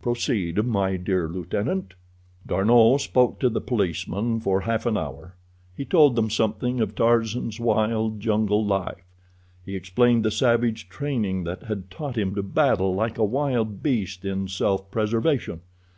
Proceed, my dear lieutenant." D'Arnot spoke to the policemen for half an hour. He told them something of Tarzan's wild jungle life. He explained the savage training that had taught him to battle like a wild beast in self preservation.